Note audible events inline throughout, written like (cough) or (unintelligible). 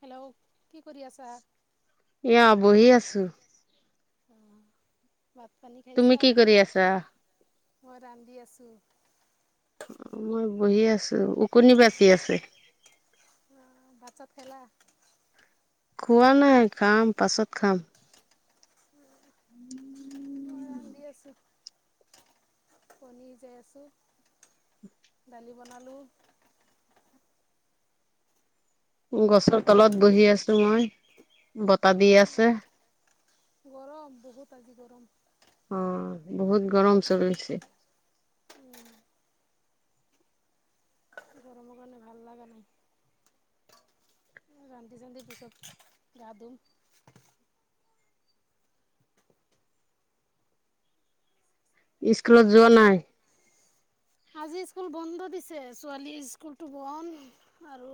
Hello, কি কৰি আছা? এয়া বহি আছো। আহ (inaudible) তুমি কি কৰি আছা? মই ৰান্ধি আছো। মই বহি আছো, উকনি বাচি আছে। ভাত চাত খালা? খোৱা নাই খাম পাছত খাম। মই ৰান্ধি আছো। কণী সিজাই আছোঁ দালি বনালোঁ। গছৰ তলত বহি আছো মই, বতাহ দি আছে। গৰম বহুত আজি গৰম। অঁ বহুত গৰম চলিছে। গৰমৰ কাৰণে ভাল লগা নাই। ৰান্ধি চানধি পিছত গা ধুম। স্কুলত যোৱা নাই? আজি স্কুল বন্ধ দিছে, ছোৱালীৰ স্কুলটো বন্ধ আৰু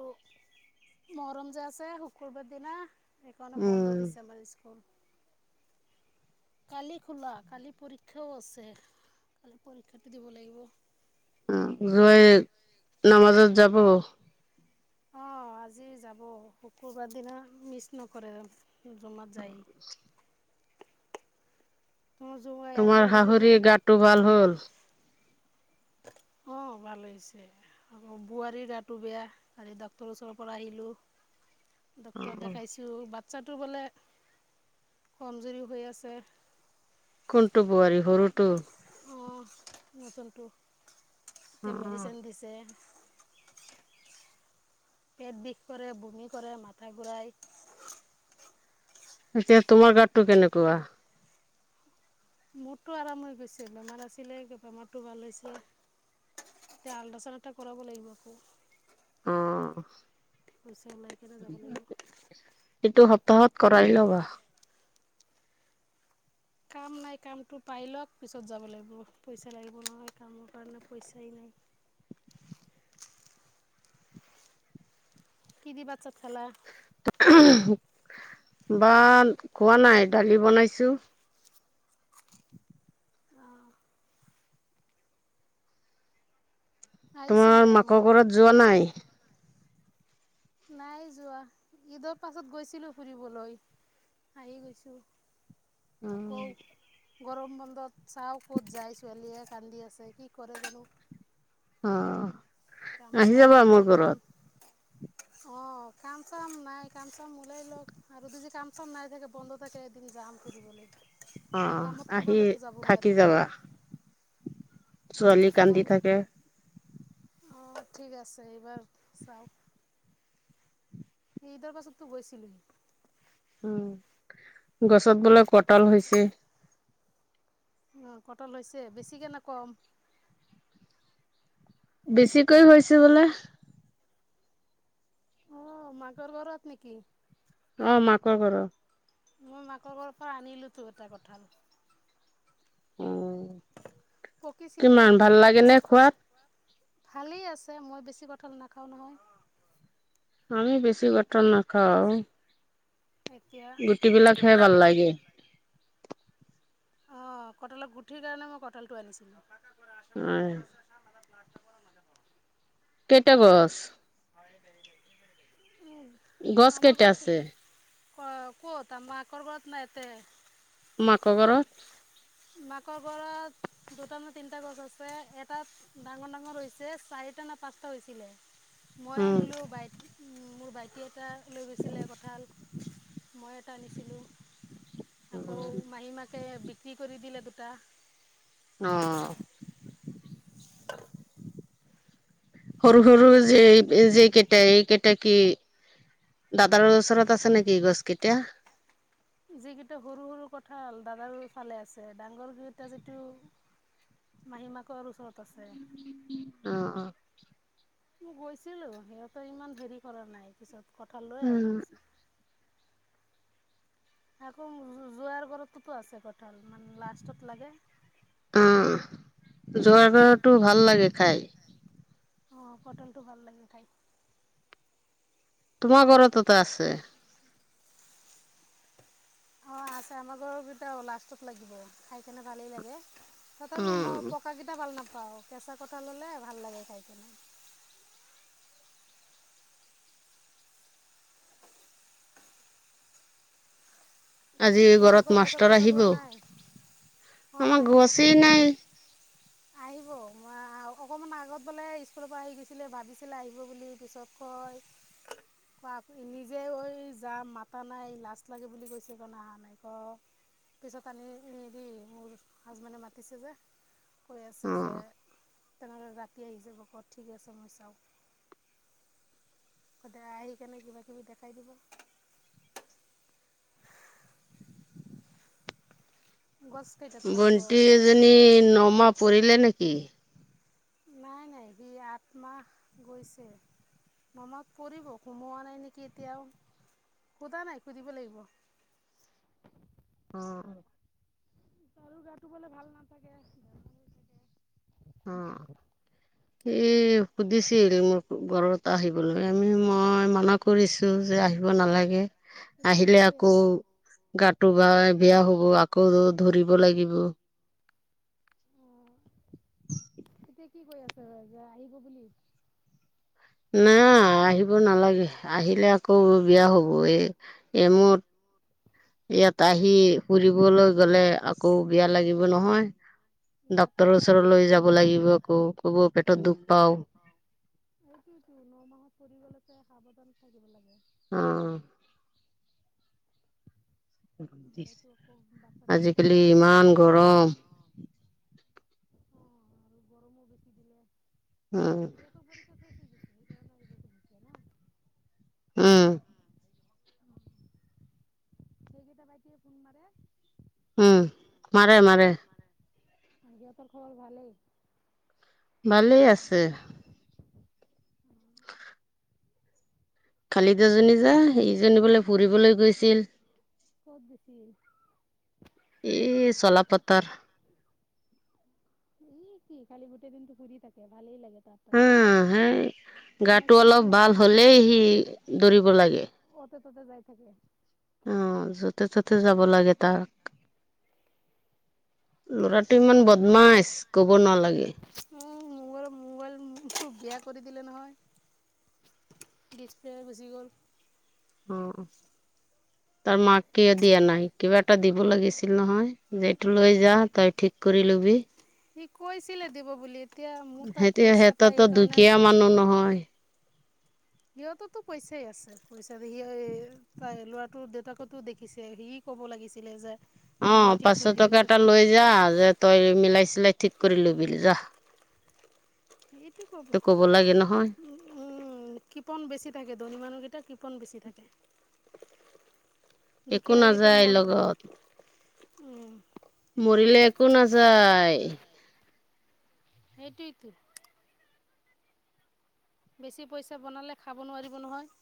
মহৰম যে আছে শুকুৰবাৰ দিনা সেইকাৰণে বন্ধ উম দিছে আমাৰ স্কুল। কালি খোলা কালি পৰীক্ষাও আছে, কালি পৰীক্ষাটো দিব লাগিব। অ জই ন বজাত যাব। অ আজি যাব শুকুৰবাৰ দিনা মিচ নকৰে। নামাজত যায়। তোমাৰ জোঁৱাই আজি তোমাৰ আহি যাব শাঁহুৰিৰ গাটো ভাল হ'ল? অ', ভাল হৈছে আকৌ বোৱাৰীৰ গাটো বেয়া কালি ডাক্তৰৰ ওচৰৰ পৰা আহিলো। অ ডক্টৰ দেখাইছো বাট ছাটো বোলে কমজুৰি হৈ আছে। কোনটো বোৱাৰী সৰুটো? অঁ নতুনটো অ এতিয়া মেডিচিন দিছে। পেট বিষ কৰে, বমি কৰে, মাথা ঘুৰাই। এতিয়া তোমাৰ গাতটো কেনেকুৱা? মোৰতো আৰাম হৈ গৈছে, বেমাৰ আছিলে বেমাৰটো ভাল হৈছে। এতিয়া আলট্ৰা চাউণ্ড এটা কৰাব লাগিব আকৌ। অঁ। পইছা উলাই পেলাই যাব লাগিব। তহত কৰাই লবা। কাম নাই কামটো পাই ল'ক পিছত যাব লাগিব। পইচা লাগিব নহয়, কামৰ কাৰণে পইচাই নাই (unintelligible) কি দি ভাত চাত খালা? (unintelligible) ভাত খোৱা নাই, দালি বনাইছো। অঁ আহিছিলে তোমাৰ মাকৰ মোৰ ঘৰত যোৱা নাই। নাই যোৱা। ঈদৰ পাছত গৈছিলো ফুৰিবলৈ। আহি গৈছোঁ। উ'ম। আকৌ গৰম বন্ধত চাওঁ ক'ত যায়। ছোৱালীয়ে কান্দি আছে কি কৰে জানো? কাম অ', আহি যাবা, মোৰ ঘৰত। অ', কাম চাম নাই, কাম চাম ওলাই লওক আৰু যদি কাম চাম নাই থাকে বন্ধ থাকে এদিন। জাম সুধিব লৈ। অ', আহি, থাকি নোৱাৰিম যাবা। ছোৱালী কান্দি থাকে। অ'হ ঠিক আছে, এইবাৰ চাওক। ঈদৰ পাছততো গৈছিলোহি। উ'ম, গছত বোলে কঠাল হৈছে। অ', কতো লৈছে বেছিকে না কম? বেছিকৈ হৈছে বোলে। অ', মাকৰ ঘৰত নেকি? অ', মাকৰ ঘৰত। মই মাকৰ ঘৰৰ পৰা আনিলোতো এটা কঠাল। অ' পকিছিলে কিমান ভাল লাগে নে খোৱাত? ভালেই আছে। মই বেছি কঁঠাল নাখাওঁ, নহয়। আমি বেছি গটন নাখাওঁ? এতিয়া গুটি বিলাক খাই গুটিবিলাক ভাল লাগে। অ', কঠালৰ গুঠিৰ কাৰণে মই কঠালটো আনিছিলো। (unintelligible) (unintelligible) কেইটা গছ? গছ কেইটা আছে? অ', ক'ত মাকৰ ঘৰত নাই তে? মাকৰ ঘৰত। মাকৰ ঘৰত দুটা না তিনটা গছ আছে। এটাত ডাঙৰ, ডাঙৰ হৈছে চাইড চাৰিটা না পাঁচটা হৈছিলে, মই উম, আনিলো, বাইট উ'ম, মোৰ ভাইটি এটা। লৈ গৈছিলে কঁঠাল মই এটা আনিছিলোঁ আকৌ মাহী মাক বিক্ৰী কৰি দিলে দুটা। অ' (unintelligible) সৰু, সৰু যে, যে কেইটাই এই কেইটা কি? দাদাৰৰ ওচৰত আছে নেকি গছকেইতা? যিকেইটা সৰু, সৰু কঠাল দাদাৰোৰ ফালে আছে। ডাঙৰ কেইটা যিটো। মাহীমাকৰ ওচৰত আছে। অ', অ'। মই গৈছিলো, সিহঁতৰ ইমান হেৰি কৰা নাই। পিছত কঠাল লৈ আহি উম, গৈছো। আকৌ যোৱাৰ বাৰতো আছে কঠাল মানে লাষ্টত লাগে। অ', যোৱাবাৰটো ভাল লাগে খাই। অ', পটলটো ভাল লাগি খাই। মোৰ ঘৰত তোত আছে। অ', আছে আমাৰ ঘৰৰ কেইটা লাষ্টত লাগিব, খাই কেনে ভালেই লাগে। তথাপি উম মই পকাকেইটা ভাল নাপাওঁ। পাওঁ। কেঁচা কঠাল হ'লে ভাল লাগে খাই কিনে। আজি ঘৰত তোমালোকৰ গছত মাষ্টৰ কঁঠাল আহিব। হোৱা নাই অঁ আমাৰ আহিব গছেয়ে নাই। আহিব, মই আৰু অকণমান আগত বোলে স্কুলৰ পৰা আহি গৈছিলে, ভাবিছিলে আহিব বুলি পিছত কয়? ক নিজে ঐ যাম মাতা নাই লাজ লাগে বুলি কৈছে ক ন অহা নাই ক। পিছত আনি এ দি মোৰ হাজবেণ্ডে মাতিছে যে। কৈ আছে অ যে। তেনেদ'লে ৰাতি আহি যাব ক' ঠিক আছে মই চাওঁ সদায় আহি কেনে কিবা কিবি দেখাই দিব। গছ কেইটা তোমালোকৰ ভণ্টি কঁঠাল এজনী গছ নমাহ পৰিলে নেকি নাই নাই সি আঠ মাহ গৈছে। মামত পৰিব সোমোৱা নাই নেকি এতিয়াও সোধা নাই সুধিব লাগিব অ অ তাৰো গাটো বলে ভাল নাথাকোল থাকে। অ' এই সুধি মোৰ ঘৰতে আহিবলৈ আমি মই মানা কৰিছোঁ যে আহিব নালাগে কি আহিলে কৰি আকৌ আছা গাটো বেয়া হব আকৌ ধৰিব লাগিব অঁ এতিয়া কি কৈ আছ যে আহিব বুলি। না আহিব নালাগে আহিলে আকৌ বিয়া হ'ব এই এ মোৰ। ইয়াত আহি ফুৰিবলৈ গলে আকৌ বিয়া লাগিব নহয়। গাটো ডাক্তৰৰ বেয়া হৈ ওচৰলৈ যাব লাগিব আকৌ কব পেটত দুখ পাও। সেইটোতো ন মাহত পৰি গ'লেছে সাহ বজান থাকিব লাগে। অহ নহ'লেতো আকৌ বাচ্ছাটোৰো আজিকালি প্ৰব্লেম হ'ব ইমান তাৰো গৰম হ'ব অ' আৰু গৰমো বেছি দিলে উ, সিহঁতৰ পৰীক্ষা শেষ হৈ গৈছে সেইকাৰণে আহিব খুজিছে না উম সেইকেইটা বাইটে ফোন মাৰে। উম মাৰে মাৰে ইিহঁতৰ খবৰ ভালেই ভালেই আছে খালিদহজনী যা সেইজনী বোলে ফুৰিবলৈ গৈছিল। ক'ত গৈছিল এ চলা পথাৰ ই কি খালি গোটেই দিনতো ঘুৰি থাকে ভালেই লাগে তাৰ ত হা ফুৰি। সেই গাটো অলপ ভাল হ'লেই সি দৌৰিব লাগে ত ততে যাই থাকে। আহ য'তে ত'তে যাব লাগে তাক লৰাটোটো ইমান বদমাছ কব নালাগে। উ মোৰো মবাইল বিয়া কৰি দিলে নহয় (inaudible) অ' তাৰ মাক কিয়ও দিয়া নাই কিবা এটা দিব লাগিছিল নহয় যে এইটো লৈ যা তই ঠিক। কৰিলো বি সি কৈছিলে দিব বুলি। এতিয়া মোৰ তাত সেতিয়া পইচা পায় সিহঁতো দুখীয়া এইকাৰণে মানুহ নহয় সিহঁততো পইচাই আছে পইচা সি তাই ল'ৰাটোৰ দেউতাকতো দেখিছে সি। ক'ব লাগিছিলে যে। অ মই ঠিক পাঁচশ কৰি দিম টকা চে এটা লৈ যা যে তই মিলাইছ তাই ঠিক কৰি লৈবি যায় সেইটো চব উম কিপন বেছি থাকে ধনী মানুহকেইটা কিপন বেছি থাকে। একো দুখীয়াকেইটাৰ নাযায় মন থাকে লগত মৰিলে একো নাযায়। সেইটোৱেতো বেছি পইচা বনালে খাব নোৱাৰিব নহয়।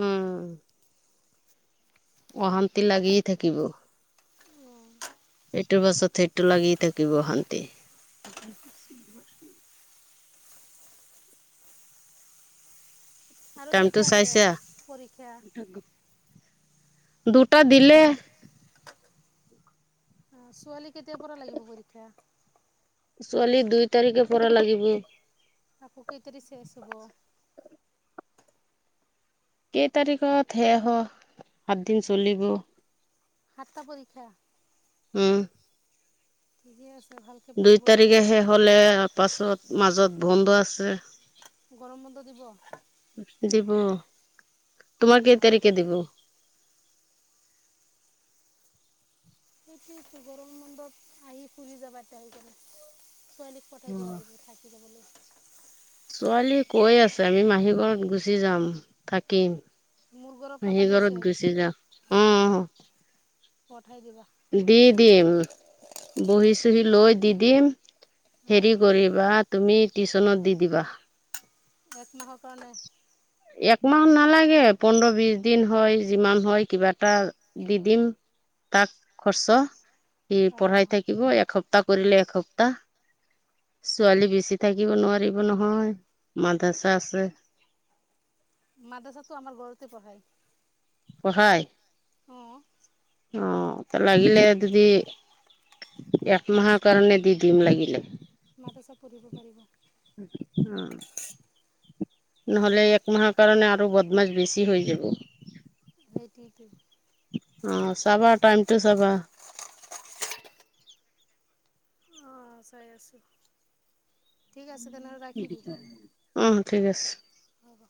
উম অশান্তি লাগিয়ে থাকিব। এইটোৰ পাছত এইটো লাগি থাকিব অশান্তি আৰু টাইমটো কেইটা আছে চাইছা পৰীক্ষা দুটা (inaudible) ছোৱালী দুই তাৰিখে পৰা লাগিব আকৌ কেই তাৰিখে ছেচ হ'ব কেই তাৰিখত শেষ হয় সাতদিন চলিব সাতটা পৰীক্ষা। উম ঠিকে আছে ভালকৈ দুই পঢ়িব দিবা তাৰিখে শেষ হলে তাৰ পাছত মাজত বন্ধ আছে গৰম বন্ধ দিব। অহ তোমাক কেই অঁ তাৰিখে দিব সেইটোৱেতো গৰম বন্ধত ছোৱালীক পঠাই দিবা আহিব থাকি যাবলৈ ছোৱালী কৈ আছে আমি মাহীঘৰত গুচি যাম থাকিম। মোৰ ঘৰৰ কথা মহী কৈছে ঘৰত গুচি যাম উম। পঠাই দিবা দি দিম বহী চহি লৈ দি দিম হেৰি অঁ কৰিবা তুমি টিউচনত দি দিবা এক মাহৰ কাৰণে একমাহ নালাগে পোন্ধৰো বিশ দিন হয় যিমান হয় কিবা এটা দি দিম তাক খৰচো ই অঁ পঢ়াই থাকিব একসপ্তাহ কৰিলে একসপ্তাহ ছোৱালী বেচি থাকিব নোৱাৰিব নহয় মাদৰাচা আছে মাদ্ৰাচাটো আমাৰ ঘৰতে পঢ়াই। পঢ়ায় অ ত লাগিলে যদি একমাহৰ কাৰণে দি দিম লাগিলে মাদ্ৰাচা পঢ়িব পাৰিব অহ। নহ'লে একমাহৰ কাৰণে আৰু বদমাছ বেছি হৈ যাব। সেইটোৱেতো অ', চাবা টাইমটো চাবা অ চাই আছো ঠিক আছে তেনেহ'লে ৰাখি দিওঁ উম ঠিক আছে। হ'ব